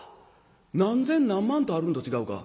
何千何万とあるんと違うか。